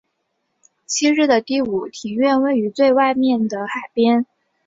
昔日的第五庭院位于最外面的海边。